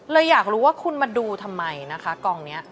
อยากรู้ว่าคุณมาดูทำไมนะคะกองนี้